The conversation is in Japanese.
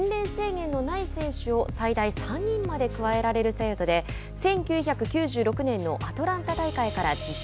こちら、オーバーエイジ枠は年齢制限のない選手を最大３人まで加えられる制度で１９９６年のアトランタ大会から実施。